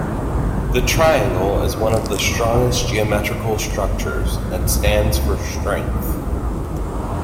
The triangle is one of the strongest geometrical structures and stands for strength.